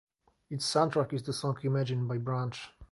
Its soundtrack is the song "Imagine" by Brunch.